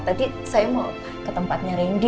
tadi saya mau ke tempatnya randy